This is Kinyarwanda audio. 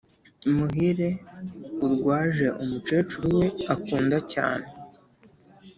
Muhire arwaje umucecuru we akunda cyane